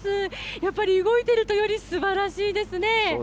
やっぱり動いてるとよりすばらしそうですね。